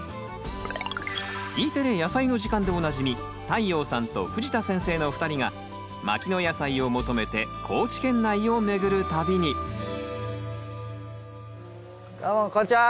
Ｅテレ「やさいの時間」でおなじみ太陽さんと藤田先生のお二人が牧野野菜を求めて高知県内を巡る旅にどうもこんにちは。